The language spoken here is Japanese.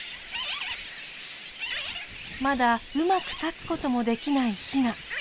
まだうまく立つこともできないヒナ。